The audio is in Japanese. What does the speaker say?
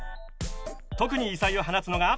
特に異彩を放つのが。